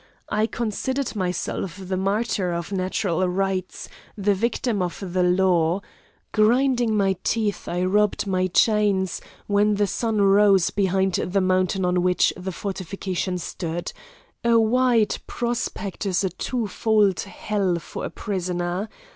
I considered myself the martyr of natural rights, the victim of the law. Grinding my teeth, I rubbed my chains, when the sun rose behind the mountain on which the fortification stood; a wide prospect is a two fold hell for a prisoner.